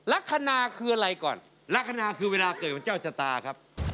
ลักษณะคืออะไรก่อนลักษณะคือเวลาเกิดวันเจ้าชะตาครับ